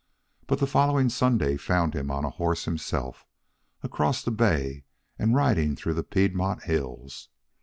But the following Sunday found him on a horse himself, across the bay and riding through the Piedmont hills.